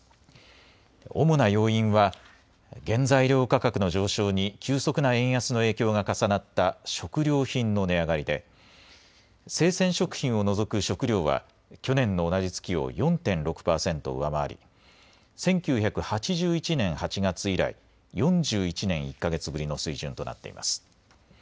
主な要因は原材料価格の上昇に急速な円安の影響が重なった食料品の値上がりで生鮮食品を除く食料は去年の同じ月を４．６％上回り１９８１年８月以来、４１年１か月ぶりの水準となっています。